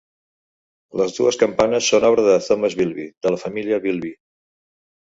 Les dues campanes són obra de Thomas Bilbie de la família Bilbie.